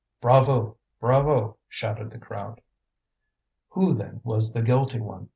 "Bravo! bravo!" shouted the crowd. Who then was the guilty one?